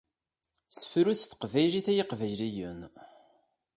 Sefrut s teqbaylit ay iqbayliyen!